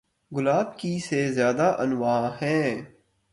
گلاب کی سے زیادہ انواع ہیں